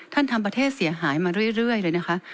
ทำประเทศเสียหายมาเรื่อยเลยนะคะ